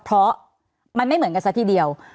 เพราะมันไม่เหมือนกันซะทีเดียว